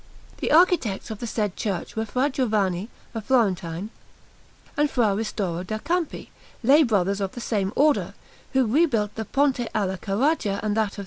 The architects of the said church were Fra Giovanni, a Florentine, and Fra Ristoro da Campi, lay brothers of the same Order, who rebuilt the Ponte alla Carraja and that of S.